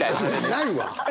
ないわ！